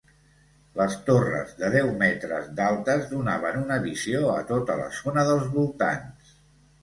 Les torres de deu metres d'altes donaven una visió a tota la zona dels voltants.